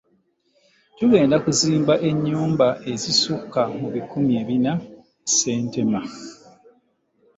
Tugenda kuzimba enyumba ezisukka mu bikumi bina e Ssentema.